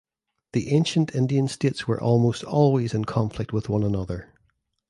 The ancient Indian states were almost always in conflict with one another.